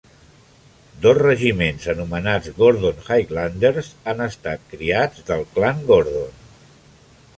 Dos regiments anomenats "Gordon Highlanders" han estat criats del Clan Gordon.